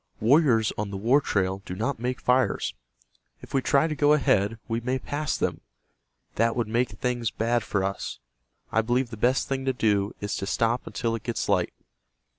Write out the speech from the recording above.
Warriors on the war trail do not make fires. If we try to go ahead, we may pass them. That would make things bad for us. I believe the best thing to do is to stop until it gets light."